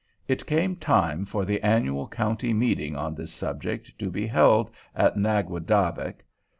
It came time for the annual county meeting on this subject to be held at Naguadavick.